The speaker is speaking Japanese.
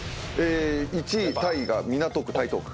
１位タイが港区台東区。